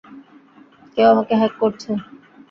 কেউ আমাকে হ্যাক করছে।